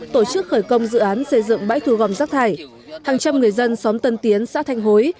tổ chức khởi công dự án xây dựng bãi thu gom rác thải hàng trăm người dân xóm tân tiến xã thanh hối